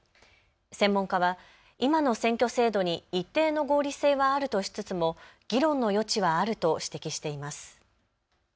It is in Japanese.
専門家は今の選挙制度に一定の合理性はあるとしつつも議論の余地はあると指摘しています。